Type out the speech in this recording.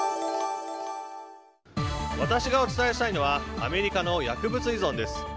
私がお伝えしたいのはアメリカの薬物依存です。